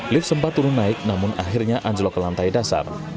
lift sempat turun naik namun akhirnya anjlok ke lantai dasar